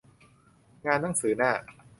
งานหนังสือหน้า